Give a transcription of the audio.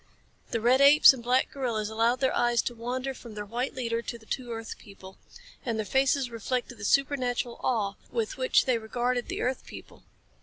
The red apes and black gorillas allowed their eyes to wander from their white leader to the two earth people. And their faces reflected the supernatural awe with which they regarded the earth people.